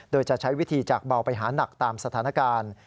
โดยจะใช้วิธีจากเบาไปหานักตามสถานการณ์